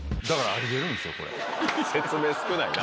説明少ないな。